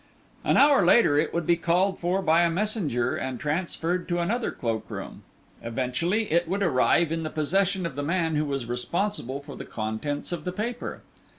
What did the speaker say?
An hour later it would be called for by a messenger and transferred to another cloakroom. Eventually it would arrive in the possession of the man who was responsible for the contents of the paper.